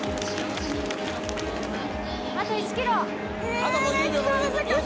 あと１キロ。